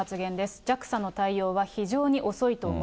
ＪＡＸＡの対応は非常に遅いと思う。